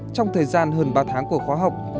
trong thời gian hơn ba tháng của khóa học